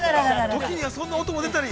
◆時には、そんな音も出たり。